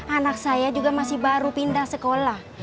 anak saya juga masih baru pindah sekolah